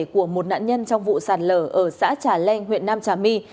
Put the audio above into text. của một nạn nhân trong vụ sạt lở ở xã trà leng huyện nam trà my